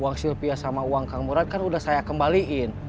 uang sylvia sama uang kang murad kan udah saya kembaliin